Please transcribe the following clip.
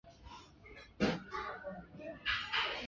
隐密裂囊猛水蚤为双囊猛水蚤科裂囊猛水蚤属的动物。